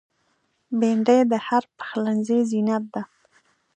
بېنډۍ د هر پخلنځي زینت ده